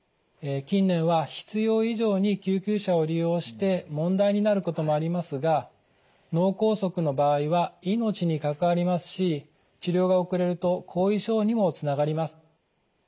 近年は必要以上に救急車を利用して問題になることもありますが脳梗塞の場合は命に関わりますし治療が遅れると後遺症にもつながります。